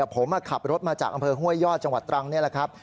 ผมขับรถมาจากอำเภอห้วยยอดจังหวัดตรังนี่แหละครับ